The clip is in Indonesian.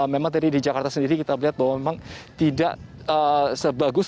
memang tadi di jakarta sendiri kita melihat bahwa memang tidak sebagus